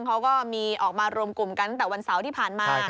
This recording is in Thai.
เขาก็มีออกมารวมกลุ่มกันตั้งแต่วันเสาร์ที่ผ่านมา